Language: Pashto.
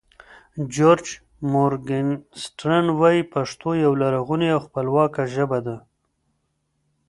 جورج مورګنسټرن وایې پښتو یوه لرغونې او خپلواکه ژبه ده.